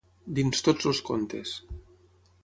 Dins Tots els contes.